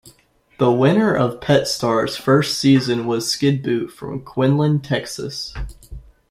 The winner of "Pet Star"'s first season was Skidboot from Quinlan, Texas.